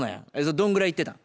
どんぐらい行ってたん？